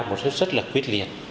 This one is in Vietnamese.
một sức rất là quyết liệt